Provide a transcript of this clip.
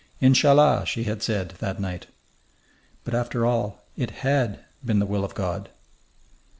"In cha 'llah!" she had said, that night. And after all, it had been the will of God....